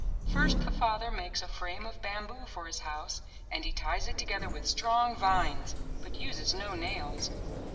First the father makes a frame of bamboo for his house and he ties it together with strong vines, but uses no nails.